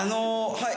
はい？